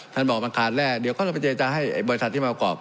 บอกมันขาดแร่เดี๋ยวเขาเราไปเจรจาให้บริษัทที่มาประกอบ